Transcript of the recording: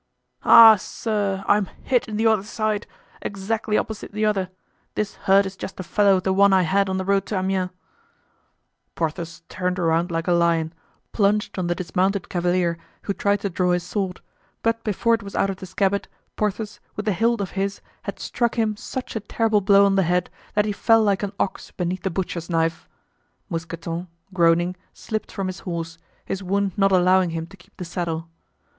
"Ah, sir! I'm hit in the other side! exactly opposite the other! This hurt is just the fellow of the one I had on the road to Amiens." Porthos turned around like a lion, plunged on the dismounted cavalier, who tried to draw his sword; but before it was out of the scabbard, Porthos, with the hilt of his had struck him such a terrible blow on the head that he fell like an ox beneath the butcher's knife. Mousqueton, groaning, slipped from his horse, his wound not allowing him to keep the saddle.